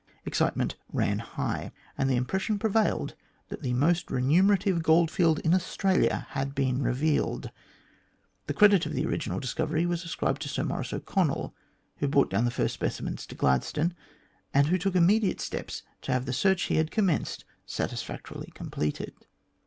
Excitement ran high, and the impression prevailed that the most remunerative goldfield in Australia had been revealed. The credit of the original discovery was ascribed to Sir Maurice O'Connell, who brought down the first speci mens to Gladstone, and took immediate steps to have the search he had commenced satisfactorily completed.